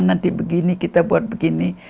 nanti kita buat begini